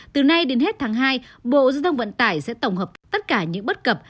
từ nay đến hết tháng hai bộ giao thông vận tải sẽ tổng hợp tất cả những bất cập